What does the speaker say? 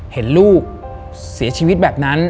เห็นลูกเสียชีวิตแบบนั้น